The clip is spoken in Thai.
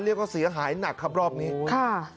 เรียกว่าเสียหายหนักครับรอบนี้ค่ะ